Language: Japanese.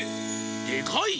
でかい！